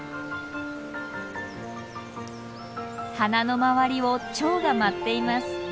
花の周りをチョウが舞っています。